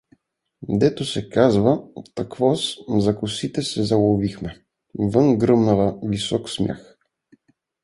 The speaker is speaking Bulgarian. Дето се казва, таквоз, за косите се заловихме… Вън гръмва висок смях.